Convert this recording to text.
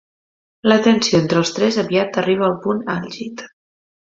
La tensió entre els tres aviat arriba al punt àlgid.